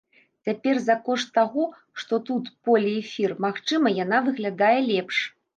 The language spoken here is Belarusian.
Цяпер, за кошт таго, што тут поліэфір, магчыма, яна выглядае лепш.